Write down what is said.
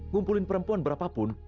ngumpulin perempuan berapapun